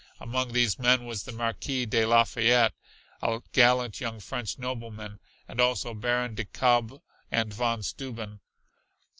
Among these men was the Marquis de Lafayette, a gallant young French nobleman, and also Baron de Kalb and Von Steuben.